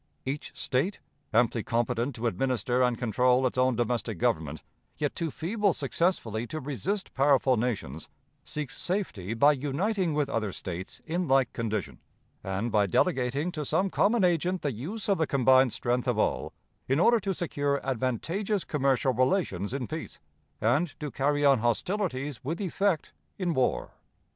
Each state, amply competent to administer and control its own domestic government, yet too feeble successfully to resist powerful nations, seeks safety by uniting with other states in like condition, and by delegating to some common agent the use of the combined strength of all, in order to secure advantageous commercial relations in peace, and to carry on hostilities with effect in war.